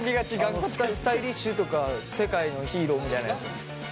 スタイリッシュとか世界のヒーローみたいなやつ。